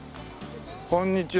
こんにちは。